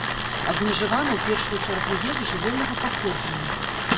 Абмежавана ў першую чаргу ежа жывёльнага паходжання.